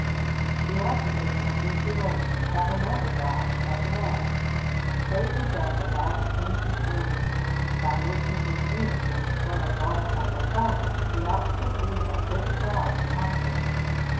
The Octopus and his relations have another dodge as well. They possess a bag of inky fluid. By mixing this ink with the spurt of water from the funnel, the Octopus leaves a thick cloud behind him.